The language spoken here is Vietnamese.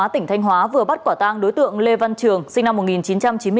tp thq vừa bắt quả tang đối tượng lê văn trường sinh năm một nghìn chín trăm chín mươi chín